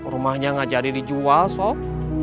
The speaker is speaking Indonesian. rumahnya gak jadi dijual sok